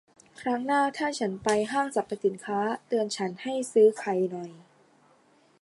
ครั้งหน้าถ้าฉันไปห้างสรรพสินค้า เตือนฉันให้ซื้อไข่หน่อย